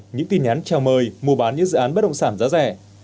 những tin nhắn trào mời mua bán những dự án bất động sản giá rẻ